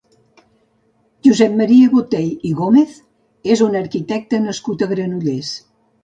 Josep Maria Botey i Gómez és un arquitecte nascut a Granollers.